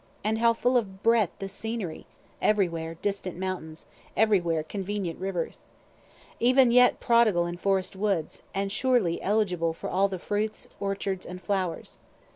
And how full of breadth the scenery, everywhere distant mountains, everywhere convenient rivers. Even yet prodigal in forest woods, and surely eligible for all the fruits, orchards, and flowers.